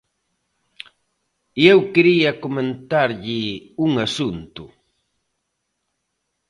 E eu quería comentarlle un asunto.